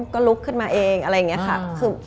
กินผักบุ้งอะไรเงี้ยใช่ไหม